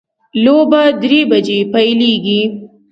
لوبه درې بجې پیلیږي